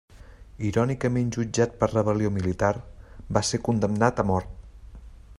Irònicament jutjat per rebel·lió militar, va ser condemnat a mort.